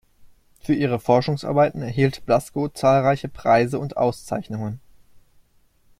Für ihre Forschungsarbeiten erhielt Blasco zahlreiche Preise und Auszeichnungen.